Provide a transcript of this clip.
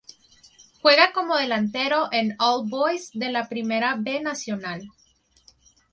Juega como delantero en All Boys de la Primera B Nacional.